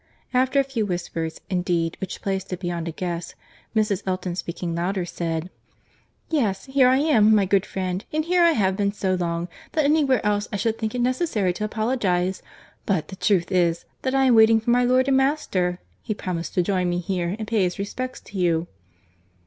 —After a few whispers, indeed, which placed it beyond a guess, Mrs. Elton, speaking louder, said, "Yes, here I am, my good friend; and here I have been so long, that anywhere else I should think it necessary to apologise; but, the truth is, that I am waiting for my lord and master. He promised to join me here, and pay his respects to you."